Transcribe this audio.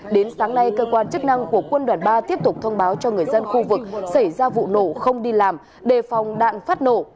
đến sáng nay cơ quan chức năng của quân đoàn ba tiếp tục thông báo cho người dân khu vực xảy ra vụ nổ không đi làm đề phòng đạn phát nổ